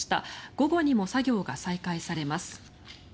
午後にも作業が再開されます。